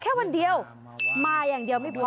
แค่วันเดียวมาอย่างเดียวไม่พอ